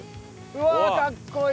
うわあかっこいい！